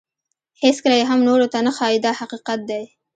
هیڅکله یې هم نورو ته نه ښایي دا حقیقت دی.